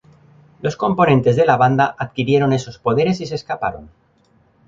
Los componentes de la banda adquirieron esos poderes y se escaparon.